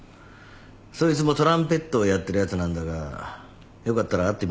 そいつもトランペットをやってるやつなんだがよかったら会ってみるか？